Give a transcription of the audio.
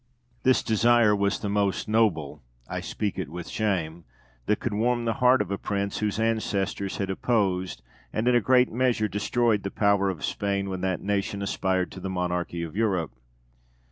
This desire was the most noble (I speak it with shame) that could warm the heart of a prince whose ancestors had opposed and in a great measure destroyed the power of Spain when that nation aspired to the monarchy of Europe.